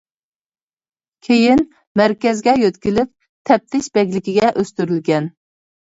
كېيىن مەركەزگە يۆتكىلىپ تەپتىش بەگلىكىگە ئۆستۈرۈلگەن.